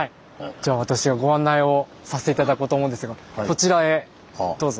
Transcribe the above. じゃあ私がご案内をさせて頂こうと思うんですがこちらへどうぞ。